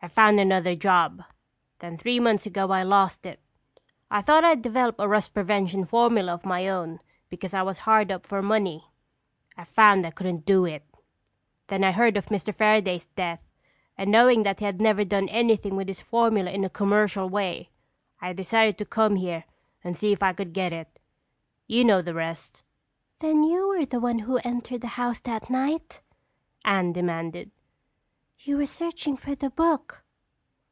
I found another job. Then three months ago I lost it. I thought I'd develop a rust prevention formula of my own because I was hard up for money. I found I couldn't do it. Then I read of Mr. Fairaday's death and knowing that he had never done anything with his formula in a commercial way, I decided to come here and see if I could get it. You know the rest." "Then you were the one who entered the house that night?" Anne demanded. "You were searching for the book."